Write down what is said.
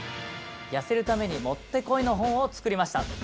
痩せるためにもってこいの本を作りました！